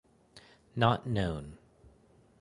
Not known.